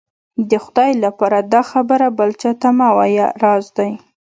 د خدای لهپاره دا خبره بل چا ته مه وايه، راز دی.